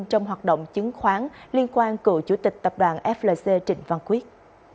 trong hoạt động chứng khoán liên quan cựu chủ tịch tập đoàn flc trịnh văn quyết